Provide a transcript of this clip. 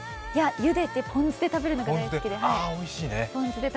ゆでてポン酢で食べるのが大好きで。